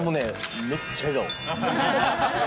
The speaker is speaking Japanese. めっちゃ笑顔。